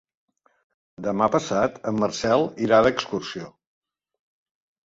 Demà passat en Marcel irà d'excursió.